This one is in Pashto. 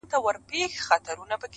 نڅول چي یې سورونو د کیږدیو سهارونه٫